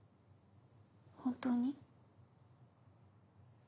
本当に？